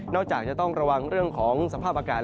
จากจะต้องระวังเรื่องของสภาพอากาศ